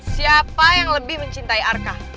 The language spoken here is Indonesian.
siapa yang lebih mencintai arka